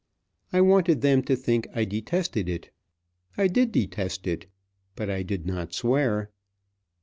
I wanted them to think I detested it. I did detest it. But I did not swear.